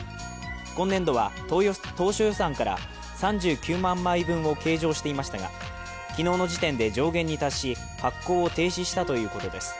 今年度は当初予算から３９万枚分を計上していましたが、昨日の時点で上限に達し発行を停止したということです。